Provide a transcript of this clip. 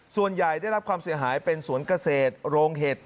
ส่วนใหญ่ได้รับความเสียหายเป็นสวนเกษตรโรงเห็ด